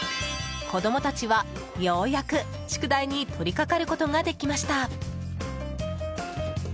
子供たちは、ようやく宿題に取りかかることができました。